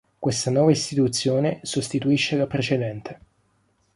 Questa nuova istituzione sostituisce la precedente.